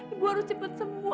ibu harus cepat sembuh